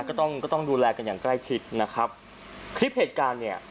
ก็ต้องก็ต้องดูแลกันอย่างใกล้ชิดนะครับคลิปเหตุการณ์เนี่ย